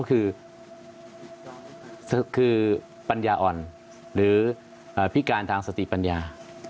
คือคือปัญญาอ่อนหรือพิการทางสติปัญญา